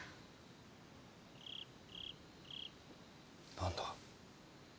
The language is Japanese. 何だ？